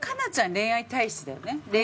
恋愛好きだよね？